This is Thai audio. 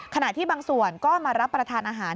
ขณะที่บางส่วนก็มารับประทานอาหาร